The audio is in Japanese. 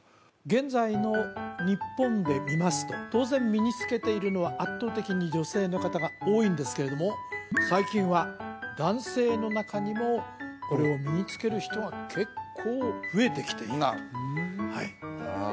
現在の日本でみますと当然身につけているのは圧倒的に女性の方が多いんですけれども最近は男性の中にもこれを身につける人が結構増えてきているとさあ